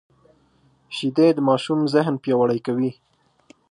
شیدې د ماشوم ذهن پیاوړی کوي